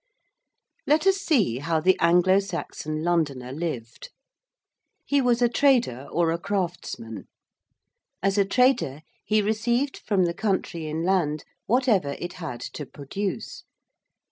Let us see how the Anglo Saxon Londoner lived. He was a trader or a craftsman. As a trader he received from the country inland whatever it had to produce.